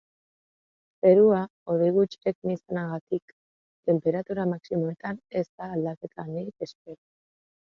Zerua hodei gutxirekin izanagatik, tenperatura maximoetan ez da aldaketa handirik espero.